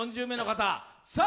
４０名の方。